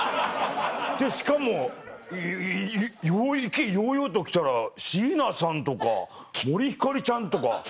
でしかも意気揚々と来たら椎名さんとか森星ちゃんとか。